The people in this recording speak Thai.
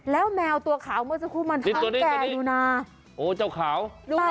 แล้วแมวตัวขาวเมื่อสักครู่มันแก่อยู่นะโอ้เจ้าขาว